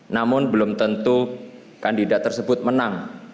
namun belum tentu kandidat tersebut menang